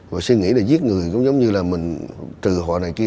và suy nghĩ là giết người cũng giống như là mình trừ họ này kia